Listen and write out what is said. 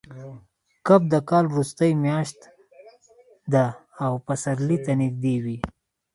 کب د کال وروستۍ میاشت ده او پسرلي ته نږدې وي.